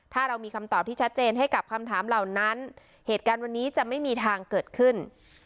ถ้าเรามีคำตอบที่ชัดเจนให้กับคำถามเหล่านั้นเหตุการณ์วันนี้จะไม่มีทางเกิดขึ้น